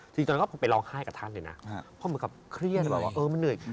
จริงตอนนั้นก็ไปร้องไห้กับท่านเลยนะเพราะมันครับเครียดไม่เหนื่อย